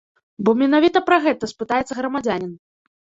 Бо менавіта пра гэта спытаецца грамадзянін.